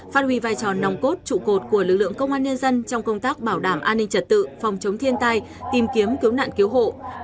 phát huy vai trò nòng cốt trụ cột của lực lượng công an nhân dân trong công tác bảo đảm an ninh trật tự phòng chống thiên tai tìm kiếm cứu nạn cứu hộ